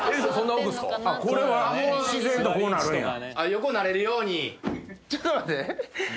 横になれるように。